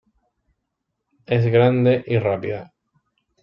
Es grande y rápida.